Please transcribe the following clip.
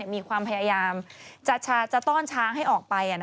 มีความพยายามจะต้อนช้างให้ออกไป